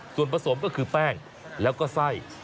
ส่วนผสมก็คือแป้งแล้วก็ไส้